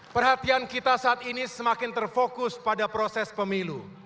perhatian kita saat ini semakin terfokus pada proses pemilu